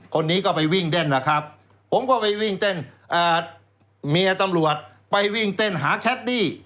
คนนี้ก็ไปวิ่งเต้นนะครับผมก็ไปวิ่งเต้นเมียตำรวจไปวิ่งเต้นหาแคดดี้